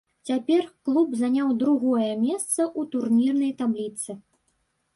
Цяпер клуб заняў другое месца ў турнірнай табліцы.